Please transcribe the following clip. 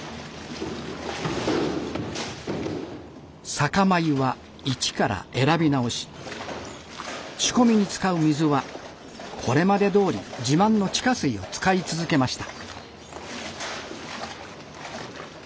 酒米は一から選び直し仕込みに使う水はこれまでどおり自慢の地下水を使い続けました。